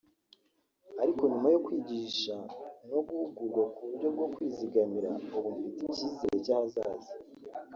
ariko nyuma yo kwigisha no guhugurwa ku buryo bwo kwizigamira ubu mfite icyizere cy’ahazaza